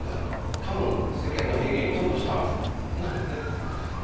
多分世間の平均よりちょっと下なんですねで